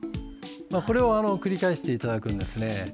これを繰り返していただくんですね。